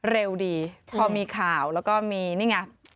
เร็วดีพอมีข่าวแล้วก็มีนี่ไง